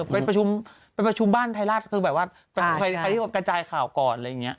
ไปประชุมไปประชุมบ้านไทยรัฐคือแบบว่าใครที่กระจายข่าวก่อนอะไรอย่างนี้